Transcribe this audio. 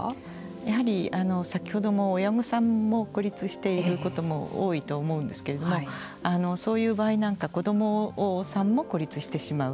やはり、先ほども親御さんも孤立していることも多いと思うんですけれどもそういう場合なんか子どもさんも孤立してしまう。